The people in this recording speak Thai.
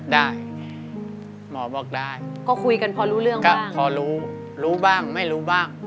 ได้หมอบอกได้ก็คุยกันพอรู้เรื่องก็พอรู้รู้บ้างไม่รู้บ้าง